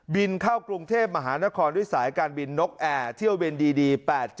เข้ากรุงเทพมหานครด้วยสายการบินนกแอร์เที่ยวบินดี๘๗